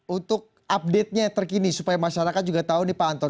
untuk update nya terkini supaya masyarakat juga tahu nih pak anton